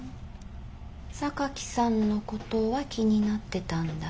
榊さんのことは気になってたんだ。